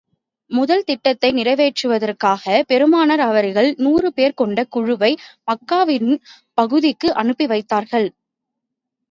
முதல் திட்டத்தை நிறைவேற்றுவதற்காக, பெருமானார் அவர்கள் நூறு பேர் கொண்ட குழுவை, மக்காவின் பகுதிக்கு அனுப்பி வைத்தார்கள்.